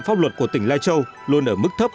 pháp luật của tỉnh lai châu luôn ở mức thấp